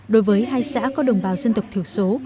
đối với hai xã có đồng bào dân tộc thiểu số